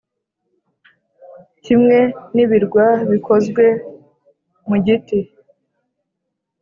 kimwe n'ibirwa bikozwe mu giti